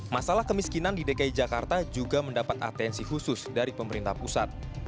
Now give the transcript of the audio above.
masalah kemiskinan di dki jakarta juga mendapat atensi khusus dari pemerintah pusat